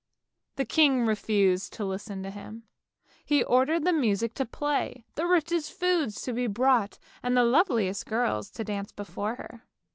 The king refused to listen to him, he ordered the music to play, the richest food to be brought, and the lovliest girls to dance before her.